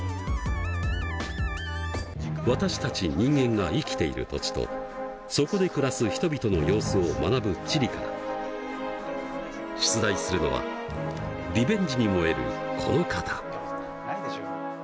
私たち人間が生きている土地とそこで暮らす人々の様子を学ぶ地理から出題するのはリベンジに燃えるこの方。